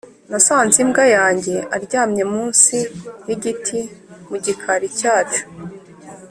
nasanze imbwa yanjye aryamye munsi yigiti mu gikari cyacu.